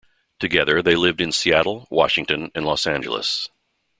Together, they lived in Seattle, Washington and Los Angeles.